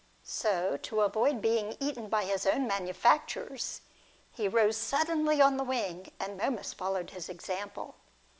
So, to avoid being eaten by his own manufactures, he rose suddenly on the wing, and Momus followed his example.